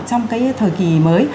trong cái thời kỳ mới